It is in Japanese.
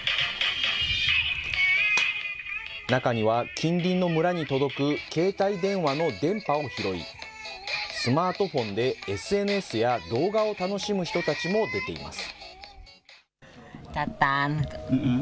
中には近隣の村に届く携帯電話の電波を拾い、スマートフォンでＳＮＳや動画を楽しむ人たちも出ています。